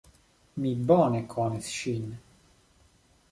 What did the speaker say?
Mi bone konis ŝin.